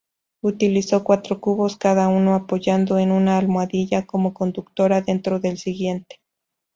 Utilizó cuatro cubos, cada uno apoyado en una almohadilla no conductora dentro del siguiente.